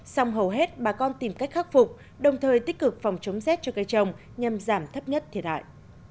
xong hầu hết bà con tìm cách khắc phục đồng thời tích cực phòng chống rét cho cây trồng nhằm giảm thấp nhất thiệt hại